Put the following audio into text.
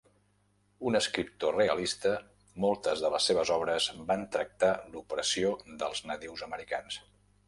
Un escriptor realista, moltes de les seves obres van tractar l'opressió dels nadius americans.